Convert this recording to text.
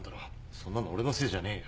そんなの俺のせいじゃねえよ。